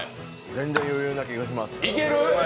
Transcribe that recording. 全然余裕な気がします。